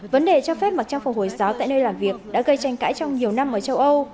vấn đề cho phép mặc trang phục hồi giáo tại nơi làm việc đã gây tranh cãi trong nhiều năm ở châu âu